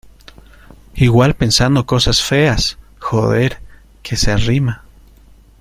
igual pensando cosas feas... joder, que se arrima .